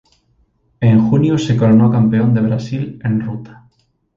En junio se coronó Campeón de Brasil en ruta.